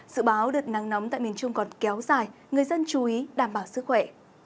sự báo đợt nắng nóng tại miền trung còn kéo dài người dân chú ý đảm bảo sức khỏe